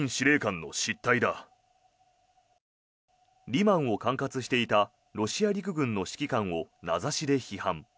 リマンを管轄していたロシア陸軍の指揮官を名指しで批判。